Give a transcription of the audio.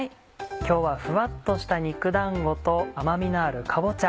今日はフワっとした肉だんごと甘みのあるかぼちゃ